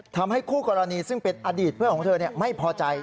ทำให้คู่กรณีซึ่งเป็นอดีตเพื่อนของเธอไม่พอใจ